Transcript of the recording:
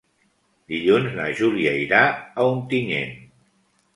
Dilluns na Júlia irà a Ontinyent.